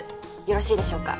よろしいでしょうか？